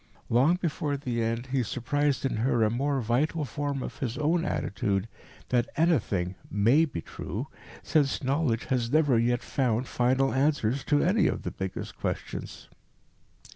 Long before the end he surprised in her a more vital form of his own attitude that anything may be true, since knowledge has never yet found final answers to any of the biggest questions.